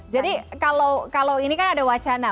jadi kalau ini kan ada wacana